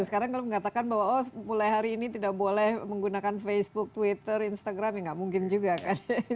sekarang kalau mengatakan bahwa oh mulai hari ini tidak boleh menggunakan facebook twitter instagram ya nggak mungkin juga kan